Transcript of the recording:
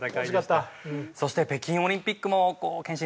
そして北京オリンピックも憲伸さん